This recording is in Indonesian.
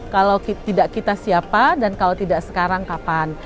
kalau tidak kita siapa dan kalau tidak sekarang kapan